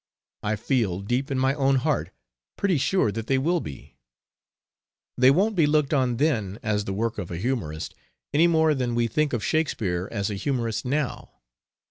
I feel, deep in my own heart, pretty sure that they will be. They won't be looked on then as the work of a "humorist" any more than we think of Shakespeare as a humorist now.